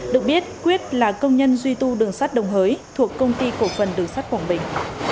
được biết quyết là công nhân duy tu đường sát đồng hới thuộc công ty cổ phần đường sắt quảng bình